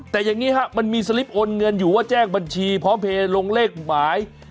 แต่อย่างนี้ฮะมันมีสลิปโอนเงินอยู่ว่าแจ้งบัญชีพร้อมเพลย์ลงเลขหมาย